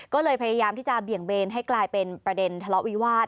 ก็เลยพยายามที่จะเบี่ยงเบนให้กลายเป็นประเด็นทะเลาะวิวาส